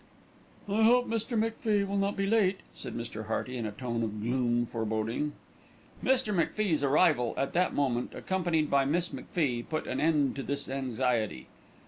"I hope Mr. MacFie will not be late," said Mr. Hearty in a tone of gloomy foreboding. Mr. MacFie's arrival at that moment, accompanied by Miss MacFie, put an end to this anxiety.